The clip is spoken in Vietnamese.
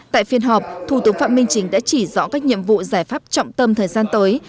tại phiên họp thủ tướng phạm minh chính đã chỉ rõ các nhiệm vụ giải pháp trọng tâm thời gian tới